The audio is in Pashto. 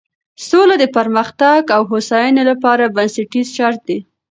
سوله د پرمختګ او هوساینې لپاره بنسټیز شرط دی.